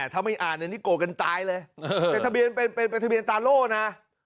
ถ้าไม่อ่านอันนี้โกรธกันตายเลยแต่ทะเบียนเป็นทะเบียนตาโล่นะ